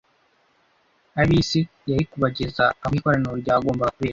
abisi yari kubageza aho ikoraniro ryagombaga kubera